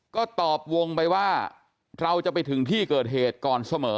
ก็ตอบวงไปว่าเราจะไปถึงที่เกิดเหตุก่อนเสมอ